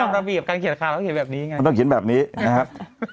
ต้องเขียนแบบนี้ไงพี่ต้องเขียนแบบนี้นะครับ